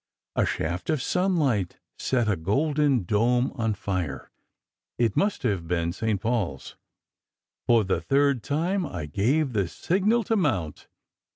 A shaft of sunlight set a golden dome on fire. It must have been St. Paul s. For the third time I gave the signal to mount.